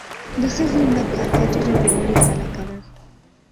د ښځې مړه کاته ډېره پیاوړې تلکه ده.